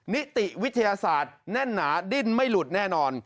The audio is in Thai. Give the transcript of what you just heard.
นิติวิทยาศาสตร์แน่นหนาดิ้นไม่หลุดแน่นอน